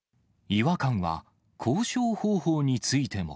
違和感は、交渉方法についても。